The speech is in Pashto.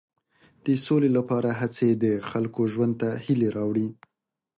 د سولې لپاره هڅې د خلکو ژوند ته هیلې راوړي.